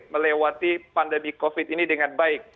melewati pandemi covid ini dengan baik